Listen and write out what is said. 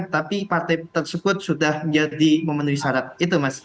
tapi partai tersebut sudah menjadi memenuhi syarat itu mas